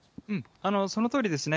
そのとおりですね。